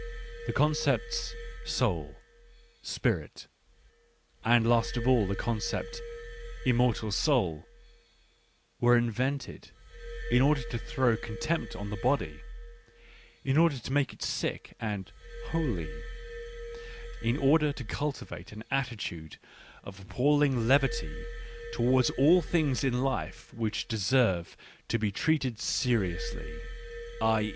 The concepts " soul," " spirit," and last of all the concept " immortal soul," were invented in order to throw contempt on the body, in order to make it sick and " holy," in order to cultivate an attitude of appalling levity towards all things in life which deserve to be treated seriously, i.